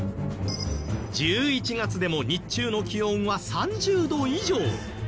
１１月でも日中の気温は３０度以上。